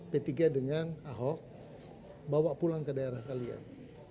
p tiga dengan ahok bawa pulang ke daerah kalian